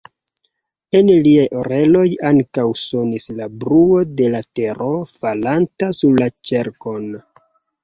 En liaj oreloj ankoraŭ sonis la bruo de la tero falanta sur la ĉerkon.